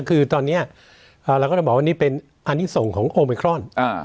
คือตอนนี้เราก็จะบอกว่านี่เป็นอันนี้ส่งของโอมิครอน